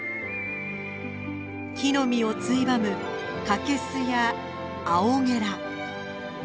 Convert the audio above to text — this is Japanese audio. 木の実をついばむカケスやアオゲラ。